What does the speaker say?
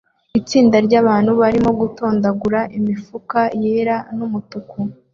Itsinda ryabantu barimo gutondagura imifuka yera n umutuku